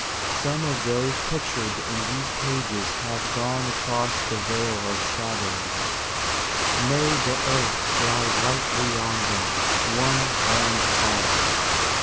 Some of those pictured in these pages have gone across the Vale of Shadows : may the earth lie lightly on them, one and all.